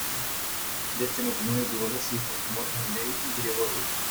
De este matrimonio tuvo dos hijos, Morgan Leigh y Gregorio.